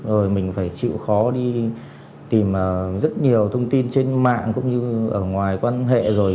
rồi mình phải chịu khó đi tìm rất nhiều thông tin trên mạng cũng như ở ngoài quan hệ rồi